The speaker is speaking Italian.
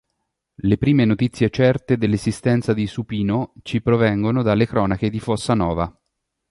Le prime notizie certe dell'esistenza di Supino ci provengono dalle cronache di Fossanova.